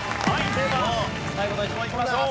では最後の１問いきましょう。